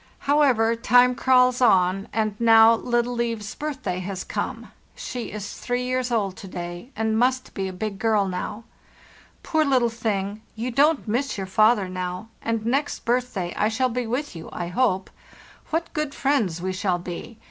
However, time crawls on, and now little Liv's birthday has come. She is three years old to day, and must be a big girl now. Poor little thing! You don't miss your fa ther now, and next birthday [I shall be with you, I hope. What good friends we shall be!